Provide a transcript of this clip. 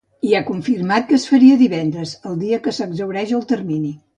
I ha confirmat que es faria divendres, el dia que s’exhaureix el termini.